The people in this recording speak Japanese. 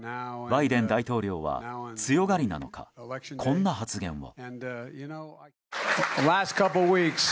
バイデン大統領は強がりなのか、こんな発言を。